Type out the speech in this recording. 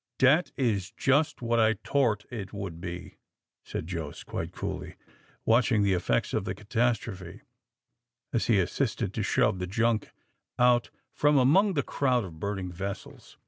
"Dat is just what I tort it would be," said Jos, quite coolly, watching the effects of the catastrophe, as he assisted to shove the junk out from among the crowd of burning vessels.